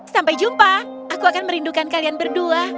sampai jumpa aku akan merindukan kalian berdua